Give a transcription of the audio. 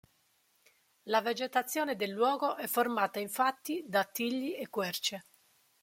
La vegetazione del luogo è formata infatti da tigli e querce.